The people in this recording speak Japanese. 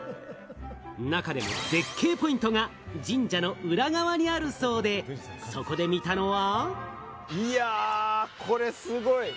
中でも絶景ポイントが神社の裏側にあるそうで、そこで見たのは。